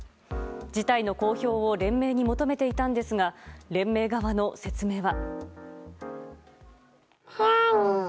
事態の公表を連盟に求めていたんですが連盟側の説明は。